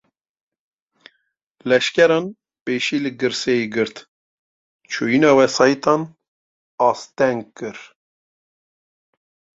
Leşkeran, pêşî li girseyê girt, çûyîna wesaîtan asteng kir